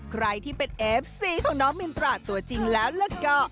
ใครที่เป็นเอฟซีของน้องมินตราตัวจริงแล้วก็